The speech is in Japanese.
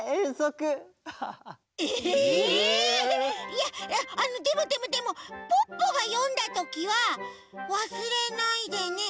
いやいやでもでもでもポッポがよんだときは「わすれないでね。